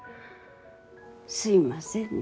すみませんね。